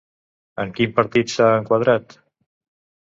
En quin partit s'ha enquadrat?